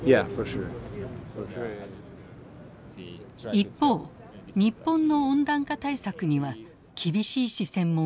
一方日本の温暖化対策には厳しい視線も向けられています。